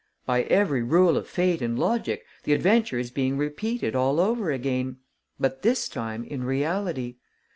By every rule of fate and logic, the adventure is being repeated all over again ... but this time in reality.